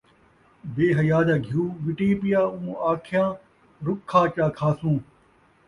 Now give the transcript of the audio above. بے حیا دا گھیو وِٹی پیا اوں آکھیاں رُکھا چا کھاسوں